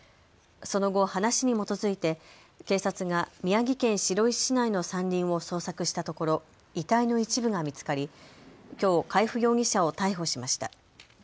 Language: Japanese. その後、話に基づいて警察が宮城県白石市内の山林を捜索したところ遺体の一部が見つかり、きょう海部容疑者を逮捕しました。